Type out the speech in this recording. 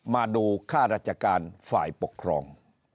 มาดูค่าราชการฝ่ายปกครอง